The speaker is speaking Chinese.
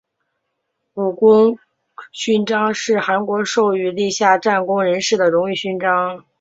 武功勋章是韩国授予立下战功人士的荣誉勋章。